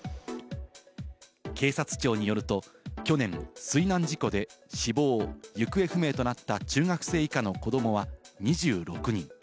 警察庁によると、去年、水難事故で死亡・行方不明となった中学生以下の子どもは２６人。